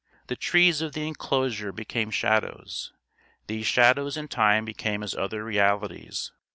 The trees of the enclosure became shadows; these shadows in time became as other realities.